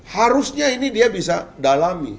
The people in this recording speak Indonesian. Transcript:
harusnya ini dia bisa dalami